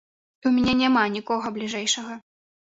У мяне няма нікога бліжэйшага.